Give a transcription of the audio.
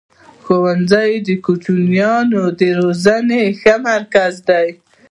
ښوونځی د کوچنیانو د روزني ښه مرکز دی.